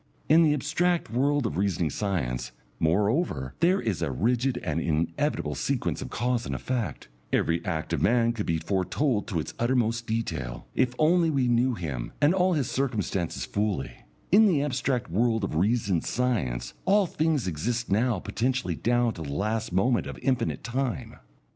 In the abstract world of reasoning science, moreover, there is a rigid and inevitable sequence of cause and effect; every act of man could be foretold to its uttermost detail, if only we knew him and all his circumstances fully; in the abstract world of reasoned science all things exist now potentially down to the last moment of infinite time.